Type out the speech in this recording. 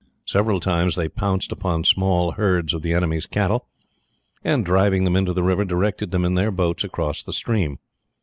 Several times they pounced upon small herds of the enemy's cattle, and driving them into the river, directed them in their boats across the stream.